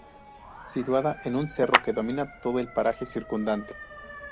Situada en un cerro que domina todo el paraje circundante.